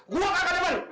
gue kakak temen